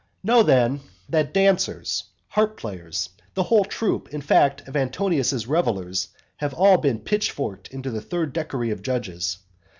Know then that dancers, harp players, the whole troop, in fact, of Antonius's revellers, have all been pitchforked into the third decury of judges.